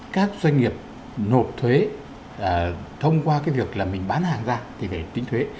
các doanh nghiệp nộp thuế thông qua việc mình bán hàng ra thì phải tính thuế